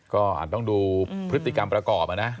ก็อาจต้องดูพฤติกรรมประกอบนะ